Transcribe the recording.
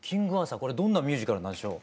これどんなミュージカルなんでしょう？